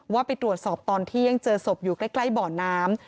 ว่าไปตรวจสอบตอนเที่ยงเจอศพอยู่ใกล้บ่อน้ำ